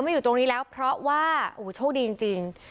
อยู่ตรงนี้แล้วเพราะว่าโอ้โหโชคดีจริง